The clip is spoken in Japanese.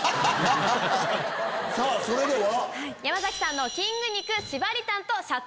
さぁそれでは。